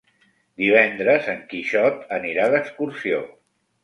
Divendres en Quixot anirà d'excursió.